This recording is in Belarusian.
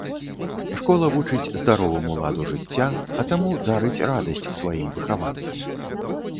Школа вучыць здароваму ладу жыцця, а таму дарыць радасць сваім выхаванцам.